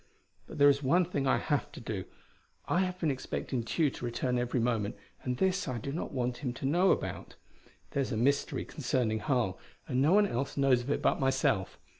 But there is one thing I have to do. I have been expecting Tugh to return every moment, and this I do not want him to know about. There's a mystery concerning Harl, and no one else knows of it but myself.